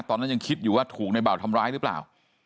ตอนนั้นยังคิดอยู่ว่าถูกในเบาทำร้ายหรือเปล่า